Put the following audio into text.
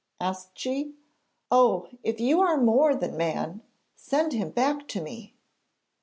asked she. 'Oh! if you are more than man, send him back to me!'